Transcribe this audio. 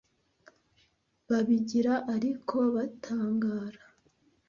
Babigira ariko batangara,